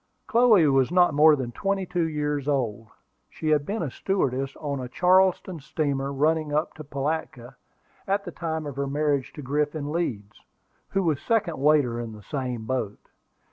Chloe was not more than twenty two years old. She had been a stewardess on a Charleston steamer, running up to Pilatka, at the time of her marriage to Griffin Leeds, who was second waiter in the same boat.